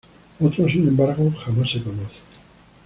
Otros, sin embargo, jamás se conocen.